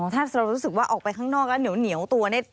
ถ้าเรารู้สึกว่าออกไปข้างนอกแล้วเหนียวตัวเนี่ย